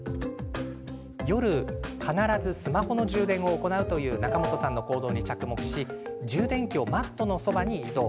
夜、必ずスマホの充電を行うという中本さんの行動に着目し充電器をマットのそばに移動。